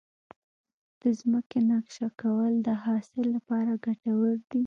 د ځمکې نقشه کول د حاصل لپاره ګټور دي.